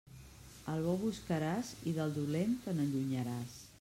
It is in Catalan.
Al bo buscaràs i del dolent te n'allunyaràs.